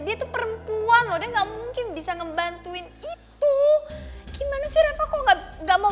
dia tuh perempuan loh dia nggak mungkin bisa ngebantuin itu gimana sih reko kok enggak mau